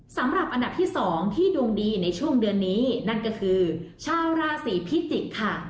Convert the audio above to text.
สำหรับอันดับที่๒ที่ดวงดีในช่วงเดือนนี้นั่นก็คือชาวราศีพิจิกษ์ค่ะ